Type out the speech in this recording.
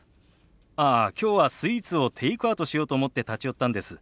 ああきょうはスイーツをテイクアウトしようと思って立ち寄ったんです。